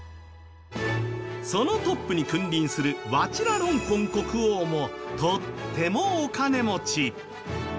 そのトップに君臨するワチラロンコン国王もとてもお金持ち。